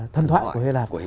thân thoại của hy lạp